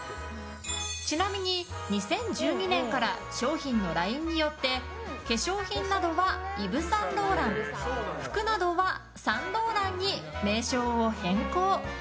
ちなみに２０１２年から商品のラインによって化粧品などはイヴ・サンローラン服などはサンローランに名称を変更。